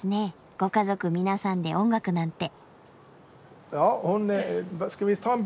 ご家族皆さんで音楽なんて。